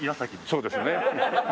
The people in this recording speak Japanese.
そうですね。